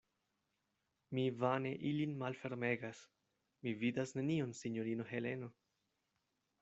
Mi vane ilin malfermegas; mi vidas nenion, sinjorino Heleno.